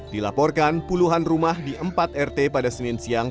dilaporkan puluhan rumah di empat rt pada senin siang